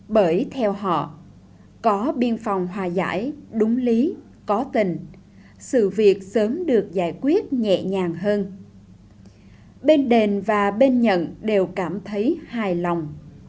bởi theo họ có biên phòng hòa giải đúng lý có tình sự việc sớm được giải quyết nhẹ nhàng hơn bên đền và bên nhận đều cảm thấy hài lòng